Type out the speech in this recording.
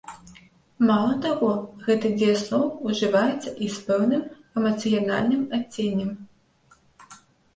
Мала таго, гэты дзеяслоў ужываецца і з пэўным эмацыянальным адценнем.